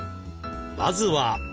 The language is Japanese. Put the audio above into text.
まずは。